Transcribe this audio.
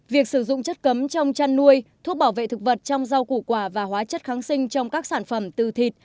việc sử dụng chất cấm trong chăn nuôi thuốc bảo vệ thực vật trong rau củ quả và hóa chất kháng sinh trong các sản phẩm từ thịt